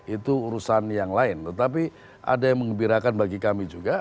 itu urusan yang lain tetapi ada yang mengembirakan bagi kami juga